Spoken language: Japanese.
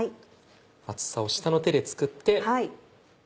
厚さを下の手で作って。